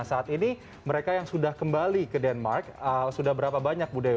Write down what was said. saat ini mereka yang sudah kembali ke denmark sudah berapa banyak bu dewi